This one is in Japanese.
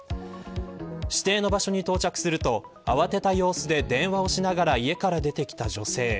指定の場所に到着すると慌てた様子で電話をしながら家から出てきた女性。